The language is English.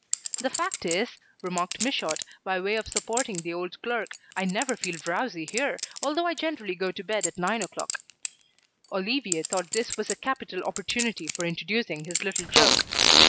"The fact is," remarked Michaud by way of supporting the old clerk, "I never feel drowsy here, although I generally go to bed at nine o'clock." Olivier thought this a capital opportunity for introducing his little joke.